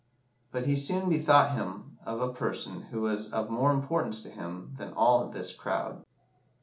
But he soon bethought him of a person who was of more importance to him than all this crowd.